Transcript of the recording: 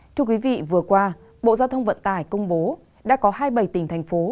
thưa quý vị vừa qua bộ giao thông vận tải công bố đã có hai bầy tỉnh thành phố